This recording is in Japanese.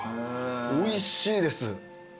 おいしいです。